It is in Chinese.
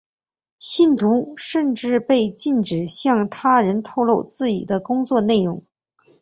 信徒甚至被禁止向他人透露自己的工作内容。